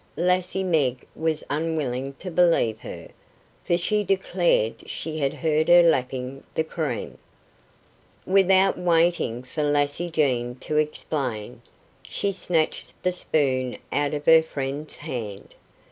Lassie Meg was unwilling to believe her, for she declared she had heard her lapping the cream. Without waiting for Lassie Jean to explain, she snatched the spoon out of her friend's hand.